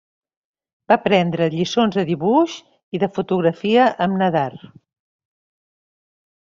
Va prendre lliçons de dibuix, i de fotografia amb Nadar.